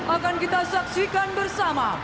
akan kita saksikan bersama